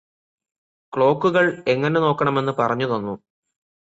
ക്ലോക്കുകള് എങ്ങനെ നോക്കണമെന്ന് പറഞ്ഞു തന്നു